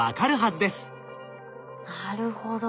なるほど。